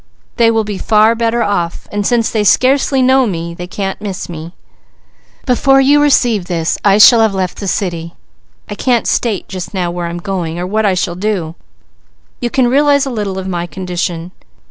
They will be far better off, and since they scarcely know me, they can't miss me. Before you receive this, I shall have left the city. I can't state just now where I am going or what I shall do. You can realize a little of my condition.